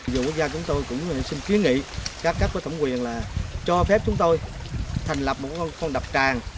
vì quốc gia chúng tôi cũng xin ký nghị các cấp của thổng quyền là cho phép chúng tôi thành lập một con đập trại